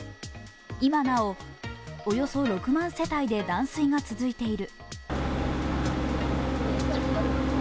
今なお、およそ６万世帯で断水が続いている。